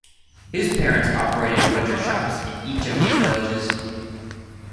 His parents operated butcher shops in each of these villages.